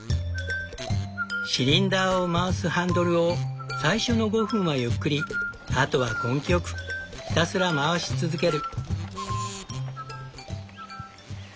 シリンダーを回すハンドルを最初の５分はゆっくりあとは根気よくひたすら回し続ける。